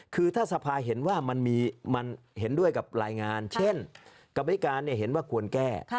คือถ้าสภาเห็นว่ามันเห็นด้วยกับรายงานเช่นกรรมธิการเห็นว่าควรแก้